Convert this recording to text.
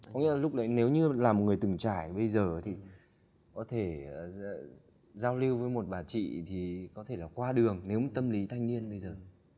có nghĩa là lúc đấy nếu như là một người từng trải bây giờ thì có thể giao lưu với một bà chị thì có thể là qua đường nếu một tâm lý thanh niên bây giờ